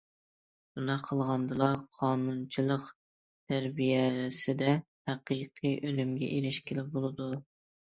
شۇنداق قىلغاندىلا، قانۇنچىلىق تەربىيەسىدە ھەقىقىي ئۈنۈمگە ئېرىشكىلى بولىدۇ.